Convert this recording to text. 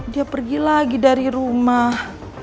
dia pergi lagi dari rumah